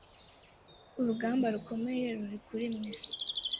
urugamba rukomeye ruri kuri mwe